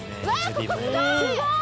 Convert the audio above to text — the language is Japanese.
ここすごい！